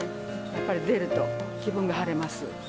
やっぱり出ると、気分が晴れます。